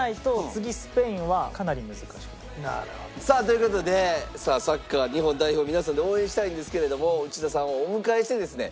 さあという事でサッカー日本代表を皆さんで応援したいんですけれども内田さんをお迎えしてですね